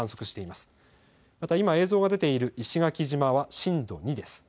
また今、映像が出ている石垣島は震度２です。